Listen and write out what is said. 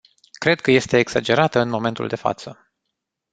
Cred că este exagerată în momentul de față.